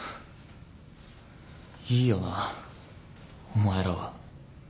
いいよなお前らは。